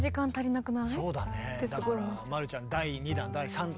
だから丸ちゃん第２弾第３弾と。